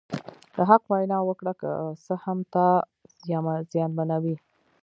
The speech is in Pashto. د حق وینا وکړه که څه هم تا زیانمنوي.